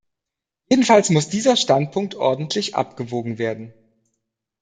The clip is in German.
Jedenfalls muss dieser Standpunkt ordentlich abgewogen werden.